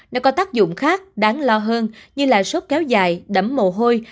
nó có tác dụng khác đáng lo hơn như là sốt kéo dài đấm mồ hôi